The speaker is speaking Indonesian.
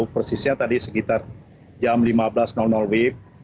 persisnya tadi sekitar jam lima belas wib